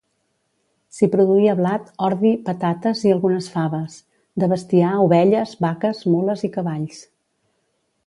S'hi produïa blat, ordi, patates i algunes faves; de bestiar, ovelles, vaques, mules i cavalls.